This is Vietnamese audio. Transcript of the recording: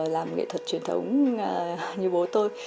làm nghệ thuật truyền thống như bố tôi